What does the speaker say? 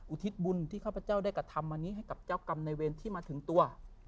อุทิศบุญที่ข้าพเจ้าได้กระทำอันนี้ให้กับเจ้ากรรมในเวรที่มาถึงตัว